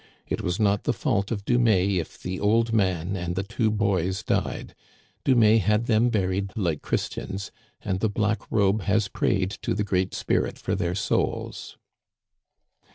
It was not the fault of Dumais if the old man and the two boys died ; Dumais had them buried like Chris tians, and the Black Robe has prayed to the Great Spirit for their souls."